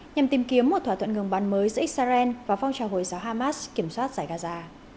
nhằm tìm kiếm một thỏa thuận ngừng bắn mới giữa israel và phong trào hồi giáo hamas kiểm soát giải gaza